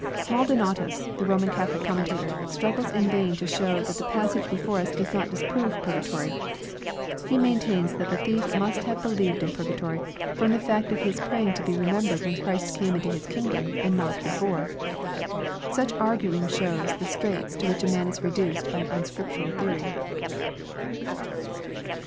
Maldonatus, the Roman Catholic commentator, struggles in vain to show that the passage before us does not disprove purgatory. He maintains that the thief must have believed in purgatory, from the fact of his praying to be remembered when Christ came in His kingdom, and not before ! Such arguing shows the straits to which a man is reduced by an unscriptural theory.